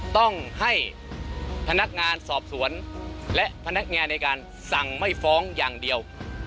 ต้องให้พนักงานสอบสวนและพนักงานในการสั่งไม่ฟ้องอย่างเดียว